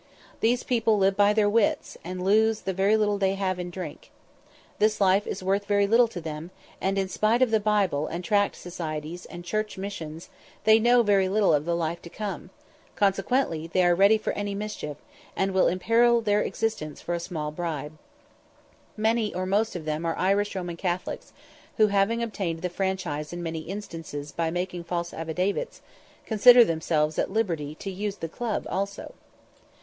These people live by their wits, and lose the little they have in drink. This life is worth very little to them; and in spite of Bible and Tract societies, and church missions, they know very little of the life to come; consequently they are ready for any mischief, and will imperil their existence for a small bribe. Many or most of them are Irish Roman Catholics, who, having obtained the franchise in many instances by making false affidavits, consider themselves at liberty to use the club also.